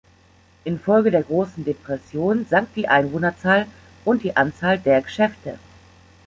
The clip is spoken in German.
Infolge der Großen Depression sank die Einwohnerzahl und die Anzahl der Geschäfte.